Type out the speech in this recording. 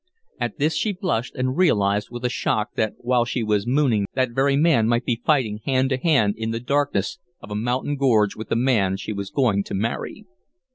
At this she blushed and realized with a shock that while she was mooning that very man might be fighting hand to hand in the darkness of a mountain gorge with the man she was going to marry.